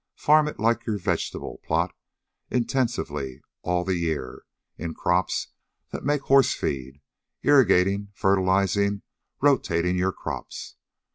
Farm it like your vegetable plot, intensively, all the year, in crops that make horse feed, irrigating, fertilizing, rotating your crops.